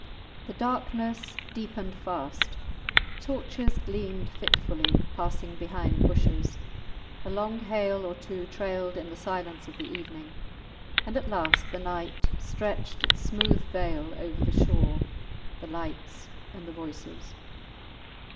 The darkness deepened fast; torches gleamed fitfully, passing behind bushes; a long hail or two trailed in the silence of the evening; and at last the night stretched its smooth veil over the shore, the lights, and the voices.